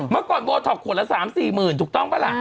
เมื่อก่อนโบท็อกขวดละ๓๔หมื่นถูกต้องป่ะล่ะ